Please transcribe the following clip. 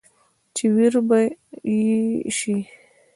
چې وېر به يې شي ،